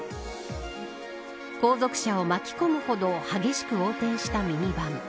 後続車を巻き込むほど激しく横転したミニバン。